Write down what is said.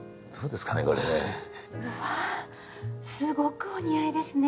すごくお似合いですね。